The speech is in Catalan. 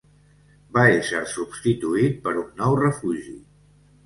Va ésser substituït per un nou refugi.